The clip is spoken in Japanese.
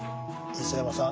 磯山さん